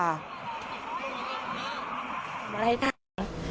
มาได้ทาง